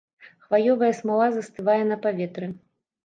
Хваёвая смала застывае на паветры.